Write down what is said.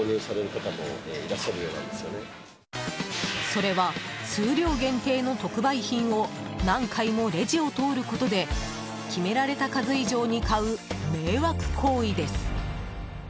それは数量限定の特売品を何回もレジを通ることで決められた数以上に買う迷惑行為です。